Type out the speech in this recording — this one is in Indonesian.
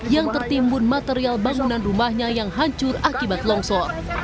yang tertimbun material bangunan rumahnya yang hancur akibat longsor